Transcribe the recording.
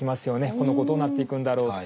この子どうなっていくんだろうって。